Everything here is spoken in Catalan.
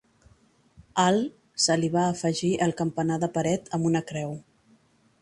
Al se li va afegir el campanar de paret amb una creu.